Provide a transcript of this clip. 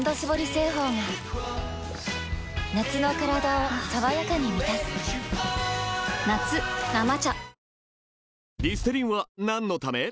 製法が夏のカラダを爽やかに満たす夏「生茶」